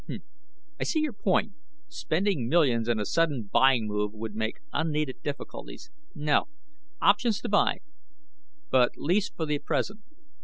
H'mm! I see your point. Spending millions in a sudden buying move would make unneeded difficulties. No! Options to buy, but lease for the present.